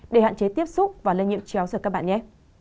để hạn chế tiếp xúc và lên nhiệm chéo giữa các bạn nhé